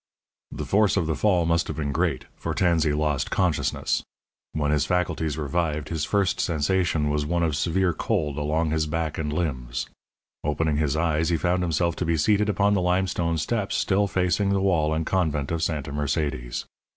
The force of the fall must have been great, for Tansey lost consciousness. When his faculties revived his first sensation was one of severe cold along his back and limbs. Opening his eyes, he found himself to be seated upon the limestone steps still facing the wall and convent of Santa Mercedes.